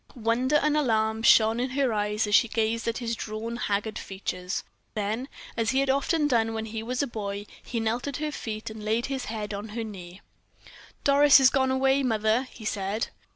Wonder and alarm shone in her eyes as she gazed at his drawn, haggard features. Then, as he had often done when he was a boy, he knelt at her feet and laid his head on her knee. "Doris has gone away, mother," he said.